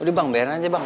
udah bang beran aja bang